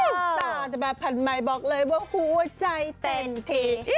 สระแต่แบบผัดใหม่บอกเลยว่าฮูวใจเต้นที